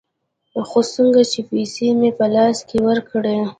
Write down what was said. خو څنگه چې پيسې مې په لاس کښې ورکړې.